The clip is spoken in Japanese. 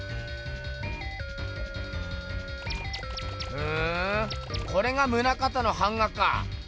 ふんこれが棟方の版画か。